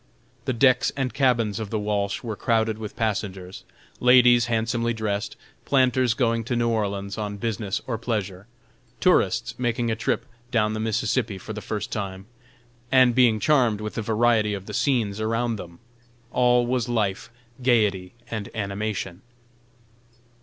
The decks and cabins of the Walsh were crowded with passengers; ladies handsomely dressed, planters going to New Orleans on business or pleasure; tourists making a trip down the Mississippi for the first time, and being charmed with the variety of the scenes around them: all was life, gaiety and animation.